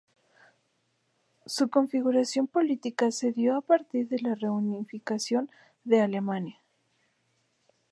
Su configuración política se dio a partir de la reunificación de Alemania.